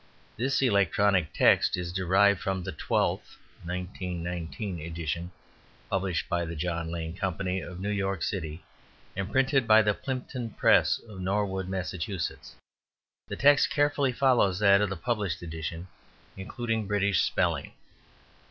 This electronic text is derived from the twelfth (1919) edition published by the John Lane Company of New York City and printed by the Plimpton Press of Norwood, Massachusetts. The text carefully follows that of the published edition (including British spelling).